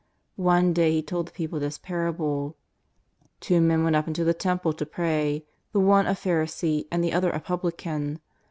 One day He told the people this parable: " Two men went up into the Temple to pray, the one a Pharisee and the other a publican.